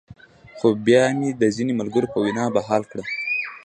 خو بيا مې د ځينې ملګرو پۀ وېنا بحال کړۀ -